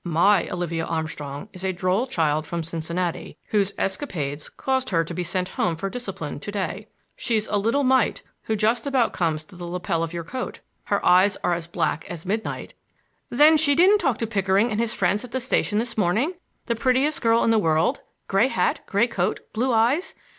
"My Olivia Armstrong is a droll child from Cincinnati, whose escapades caused her to be sent home for discipline to day. She's a little mite who just about comes to the lapel of your coat, her eyes are as black as midnight—" "Then she didn't talk to Pickering and his friends at the station this morning—the prettiest girl in the world—gray hat, gray coat, blue eyes?